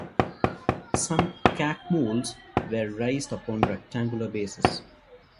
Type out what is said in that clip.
Some chacmools were raised upon rectangular bases.